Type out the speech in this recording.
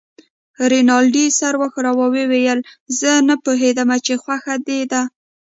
رینالډي سر و ښوراوه او ویې ویل: زه نه پوهېدم چې خوښه دې ده.